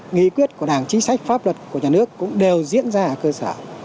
nghị quyết của đảng chính sách pháp luật của nhà nước cũng đều diễn ra ở cơ sở